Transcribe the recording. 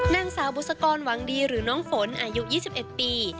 นางสาวบุษกรหวังดีหรือน้องฝนอายุ๒๑ปี